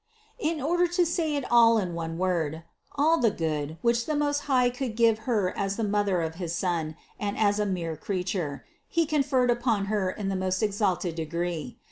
In order to say it all in one word : all the good, which the Most High could give Her as the Mother of his Son and as a mere creature, He conferred upon Her in the most exalted de gree.